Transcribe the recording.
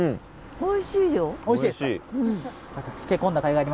おいしいですか。